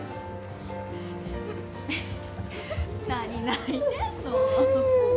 何、泣いてんの。